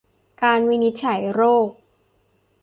การวินิจฉัยโรค